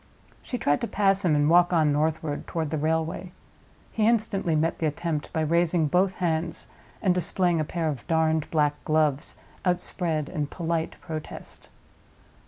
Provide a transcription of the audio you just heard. She tried to pass him and walk on northward toward the railway. He instantly met the attempt by raising both hands, and displaying a pair of darned black gloves outspread in polite protest.